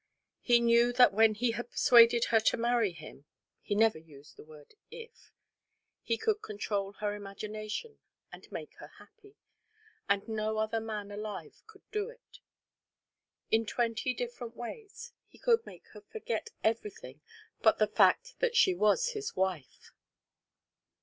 He knew that when he had persuaded her to marry him (he never used the word "if"), he could control her imagination and make her happy; and no other man alive could do it. In twenty different ways he could make her forget everything but the fact that she was his wife.